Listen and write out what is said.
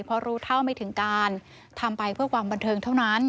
เพราะรู้เท่าไม่ถึงการทำไปเพื่อความบันเทิงเท่านั้น